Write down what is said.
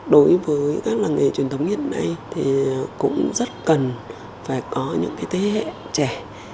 đối với các làng nghề truyền thống hiện nay thì cũng rất cần phải có những thế hệ trẻ